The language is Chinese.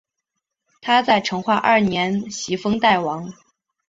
他在成化二年袭封代王。